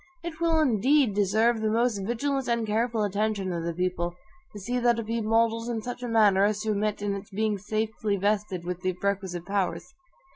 It will indeed deserve the most vigilant and careful attention of the people, to see that it be modeled in such a manner as to admit of its being safely vested with the requisite powers.